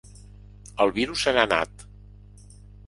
El virus se n’ha anat!